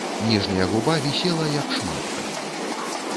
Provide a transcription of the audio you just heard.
Ніжняя губа вісела, як шматка.